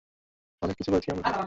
অনেক কিছু করেছি আমরা।